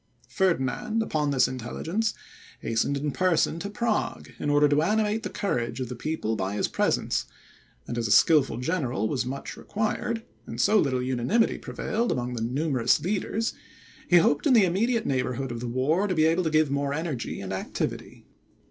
Ferdinand, upon this intelligence, hastened in person to Prague, in order to animate the courage of the people by his presence; and as a skilful general was much required, and so little unanimity prevailed among the numerous leaders, he hoped in the immediate neighbourhood of the war to be able to give more energy and activity.